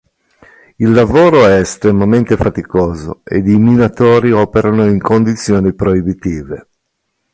Il lavoro è estremamente faticoso ed i minatori operano in condizioni proibitive.